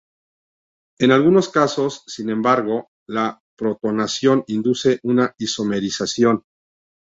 En algunos casos, sin embargo, la protonación induce una isomerización.